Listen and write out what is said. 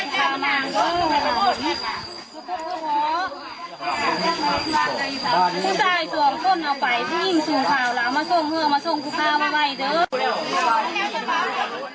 สังเกตกันกว่าอะไรด้วย